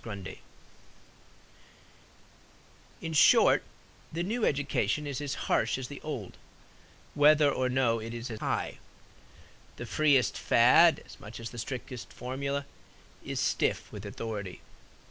GRUNDY In short, the new education is as harsh as the old, whether or no it is as high. The freest fad, as much as the strictest formula, is stiff with authority.